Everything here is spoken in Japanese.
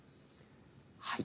はい。